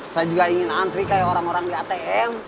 saya juga ingin antri kayak orang orang di atm